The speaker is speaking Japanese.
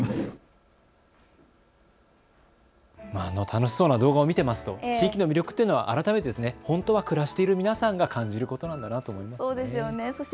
楽しそうな動画を見ていますと地域の魅力というのは改めて本当は暮らしている皆さんが感じることなんだなと思いました。